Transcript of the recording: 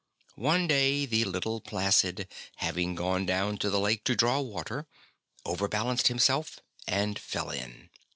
One day the little Placid, having gone down to the lake to draw water, over balanced himself and fell in.